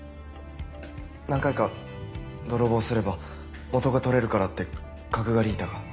何回か泥棒すれば元が取れるからってカクガリータが。